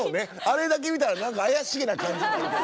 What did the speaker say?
あれだけ見たら何か怪しげな感じ。